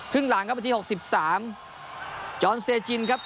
ครึ่งหลังครับวันที๖๓จอนเซจินครับ